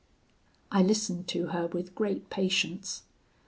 "I listened to her with great patience.